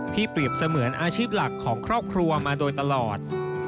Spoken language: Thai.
เปรียบเสมือนอาชีพหลักของครอบครัวมาโดยตลอด